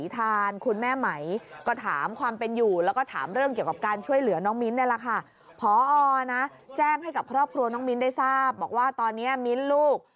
พอนะแจ้งให้กับครอบครัวน้องมิ้นได้ทราบบอกว่าตอนนี้มิ้นลูก